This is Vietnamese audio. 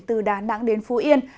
từ đà nẵng đến phú yên